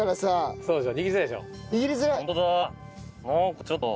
そうですね。